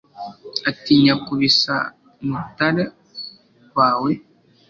atinya kubisa mutara wawe